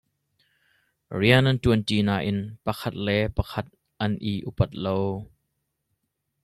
Rian an ṭuan ṭi nain pakhat le pakhat an i upat lo.